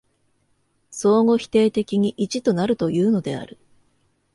相互否定的に一となるというのである。